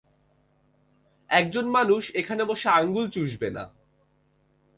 একজন মানুষ এখানে বসে আঙ্গুল চুষবে ন।